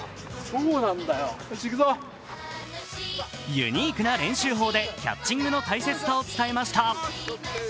ユニークな練習法でキャッチングの大切さを伝えました。